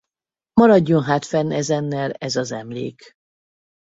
Maradjon hát fenn ezennel ez az emlék.